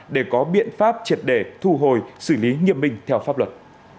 để có biện pháp triệt đề thu hồi xử lý nghiệp minh theo pháp luật